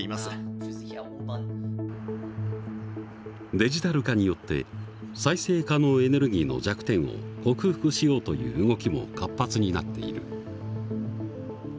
デジタル化によって再生可能エネルギーの弱点を克服しようという動きも活発になっている。